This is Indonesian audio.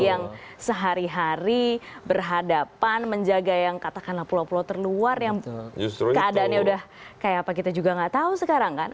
yang sehari hari berhadapan menjaga yang katakanlah pulau pulau terluar yang keadaannya udah kayak apa kita juga nggak tahu sekarang kan